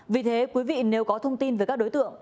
vì thế quý vị nếu có thông tin về các đối tượng